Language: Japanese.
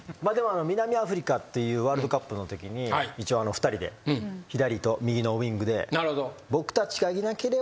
南アフリカというワールドカップのときに一応２人で左と右のウイングで。